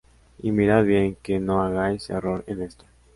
Y mirad bien que no hagáis error en esto: